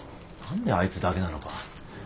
何であいつだけなのか。